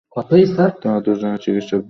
তারা দুজনেই চিকিৎসক।